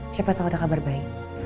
siapa tahu ada kabar baik